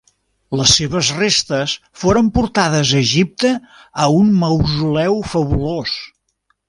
Les seves restes foren portades a Egipte a un mausoleu fabulós.